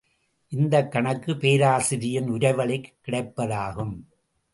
இந்தக் கணக்கு பேராசிரியரின் உரைவழிக் கிடைப்பதாகும்.